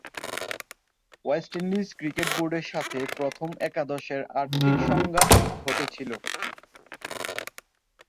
West Indies cricket বোর্ডের সাথে প্রথম একাদশের আর্থিক সংঘাত ঘটেছিল।